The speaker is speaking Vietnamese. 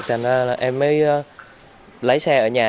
thế nên em mới lấy xe ở nhà